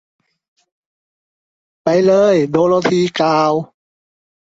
“ไปเลย ! ” โดโรธีกล่าว